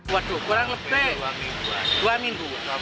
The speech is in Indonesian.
waduh kurang lebih dua minggu